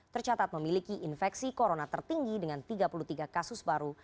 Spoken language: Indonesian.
tercatat memiliki infeksi corona tertinggi dengan tiga puluh tiga kasus baru